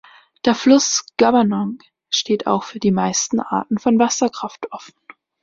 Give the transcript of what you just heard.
Der Fluss Scuppernong steht auch für die meisten Arten von Wasserkraft offen.